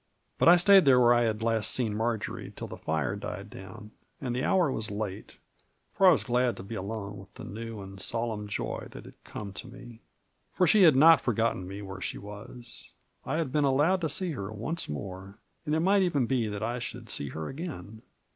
But I stayed there where I had last seen Marjory, till the fire died down, and the hour was late, for I was glad to be alone with the new and solemn joy that had come to me. For she had not forgotten me where she was ; I had been allowed to see her once more, and it might even be that I should see her again.